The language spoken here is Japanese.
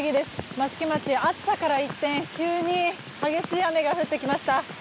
益城町、暑さから一転急に激しい雨が降ってきました。